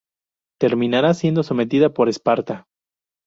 Terminará siendo sometida por Esparta.